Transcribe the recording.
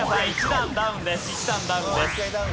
１段ダウンです。